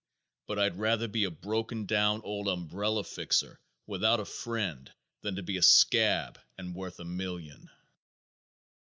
But I'd rather be a broken down old umbrella fixer without a friend than to be a scab and worth a million."